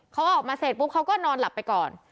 เขาออกมาเสร็จปุ๊บเขาก็นอนหลับไปก่อน